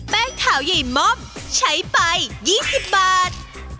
ขาวใหญ่ม่อมใช้ไป๒๐บาท